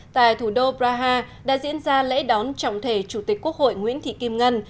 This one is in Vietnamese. tại thủ đô praha đã diễn ra lễ đón trọng thể chủ tịch quốc hội nguyễn thị kim ngân